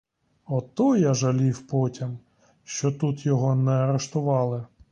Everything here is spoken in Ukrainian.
От я жалів потім, що тут його не арештували!